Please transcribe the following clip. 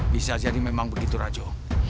bisa jadi memang begitu rajo